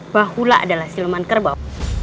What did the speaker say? bahula adalah silman kerbau